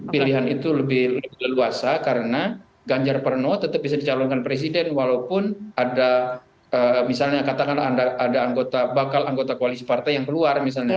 pilihan itu lebih leluasa karena ganjar pranowo tetap bisa dicalonkan presiden walaupun ada misalnya katakan ada anggota bakal anggota koalisi partai yang keluar misalnya